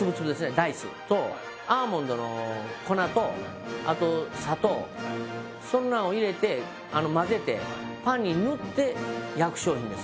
ダイスとアーモンドの粉とあと砂糖そんなんを入れて混ぜてパンに塗って焼く商品です